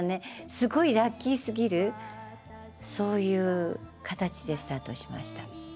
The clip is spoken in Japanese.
すごいラッキーすぎるそういう形でスタートしました。